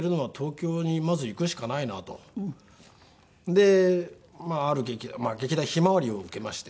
でまあある劇団劇団ひまわりを受けまして。